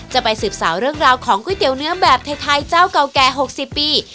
จะไปสืบสาวเรื่องราวของก๋วยเตี๋ยวเนื้อแบบไทยเจ้าเก่าแก่๖๐ปี